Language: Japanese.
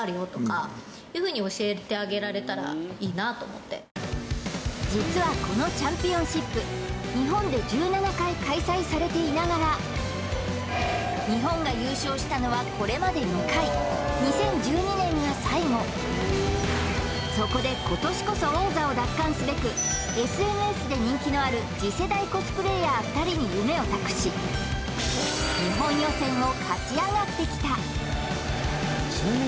しかし実はこのチャンピオンシップ日本で１７回開催されていながらこれまで２０１２年が最後そこで今年こそ王座を奪還すべくＳＮＳで人気のある次世代コスプレイヤー２人に夢を託しそうですね